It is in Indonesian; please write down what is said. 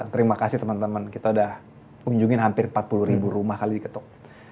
terima kasih temen temen kita udah kunjungin hampir empat puluh ribu rumah kali di ketok